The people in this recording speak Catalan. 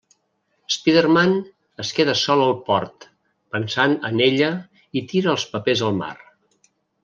Spiderman es queda sol al port, pensant en ella i tira els papers al mar.